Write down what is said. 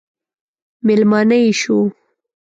مېلمانه یې شو.